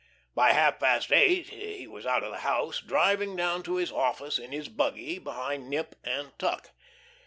By half past eight he was out of the house, driving down to his office in his buggy behind Nip and Tuck.